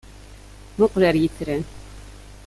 Mmuqqel ɣer yitran.